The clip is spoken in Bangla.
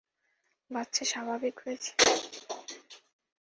বাচ্চা স্বাভাবিক হয়েছে?